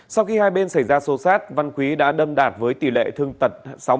sau khi hai bên xảy ra sâu sát văn quý đã đâm đạt với tỷ lệ thương tật sáu mươi hai